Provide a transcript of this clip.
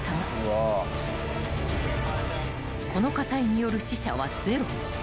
［この火災による死者はゼロ］